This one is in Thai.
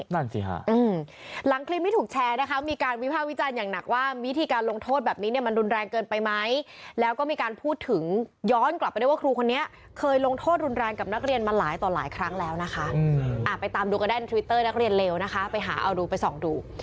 นั่นสิฮะหลังคลิปที่ถูกแชร์นะคะมีการวิภาควิจารณ์อย่างหนักว่าวิธีการลงโทษแบบนี้เนี่ยมันรุนแรงเกินไปไหมแล้วก็มีการพูดถึงย้อนกลับไปด้วยว่าครูคนนี้เคยลงโทษรุนแรงกับนักเรียนมาหลายต่อหลายครั้งแล้วนะคะไปตามดูกันได้ในทวิตเตอร์นักเรียนเลวนะคะไปหาเอาดูไปส่องดู